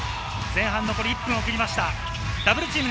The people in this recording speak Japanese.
前半残り１分を切りました。